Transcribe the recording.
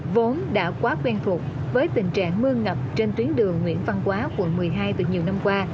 vốn đã quá quen thuộc với tình trạng mưa ngập trên tuyến đường nguyễn văn quá quận một mươi hai từ nhiều năm qua